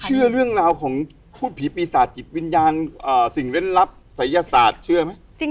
เชื่อเรื่องราวของพูดผีปีศาจจิตวิญญาณสิ่งเล่นลับศัยศาสตร์เชื่อไหม